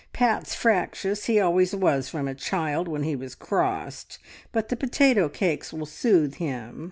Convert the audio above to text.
Pat's fractious; he always was from a child when he was crossed, but the potato cakes will soothe him.